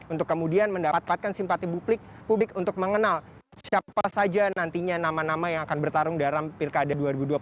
untuk kemudian mendapatkan simpati publik untuk mengenal siapa saja nantinya nama nama yang akan bertarung dalam pilkada dua ribu dua puluh